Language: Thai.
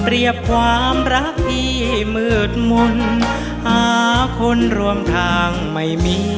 เรียกความรักที่มืดมนต์หาคนรวมทางไม่มี